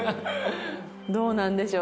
どうなんでしょう？